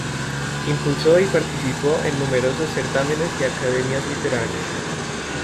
Impulsó y participó en numerosos certámenes y academias literarias.